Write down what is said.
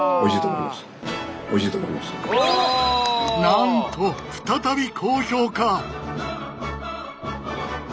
なんと再び高評価！